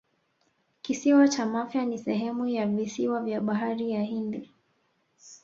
Kisiwa cha Mafia ni sehemu ya visiwa vya Bahari ya Hindi